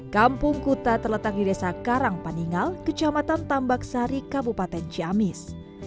kampung kuta terletak di desa karang paningal kecamatan tambaksari kabupaten ciamis